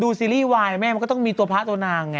ซีรีส์วายแม่มันก็ต้องมีตัวพระตัวนางไง